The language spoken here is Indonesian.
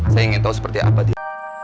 saya ingin tahu seperti apa dia